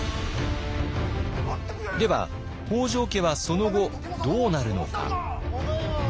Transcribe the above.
では北条家はその後どうなるのか。